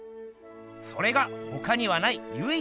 それがほかにはないゆい